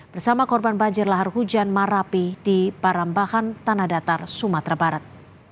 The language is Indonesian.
bersama korban banjir lahar hujan marapi di parambahan tanah datang